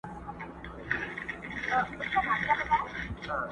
راغزولي دي خیرن لاسونه.!